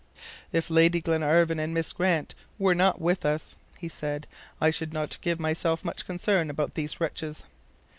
"If Lady Glenarvan, and Miss Grant were not with us," he said, "I should not give myself much concern about these wretches."